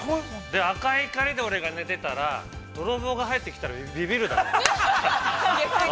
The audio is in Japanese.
赤い光で俺が寝てたら泥棒が入ってきたらびびるだろう？